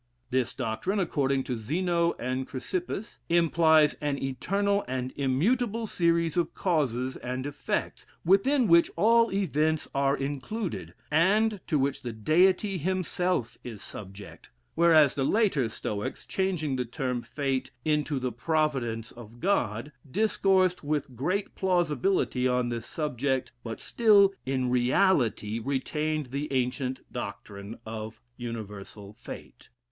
This doctrine, according to Zeno and Chrysippus, implies an eternal and immutable series of causes and effects, within which all events are included, and to which the Deity himself is subject: whereas, the later Stoics, changing the term fate into the Providence of God, discoursed with great plausibility on this subject, but still in reality retained the ancient doctrine of universal fate.